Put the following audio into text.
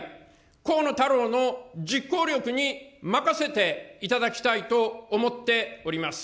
河野太郎の実行力に任せていただきたいと思っております。